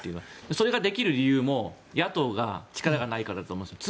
それができる理由も野党の力がないからだと思うんですよ。